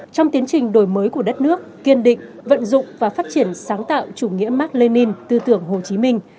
trong tiến trình đổi mới của đất nước kiên định vận dụng và phát triển sáng tạo chủ nghĩa mark lenin tư tưởng hồ chí minh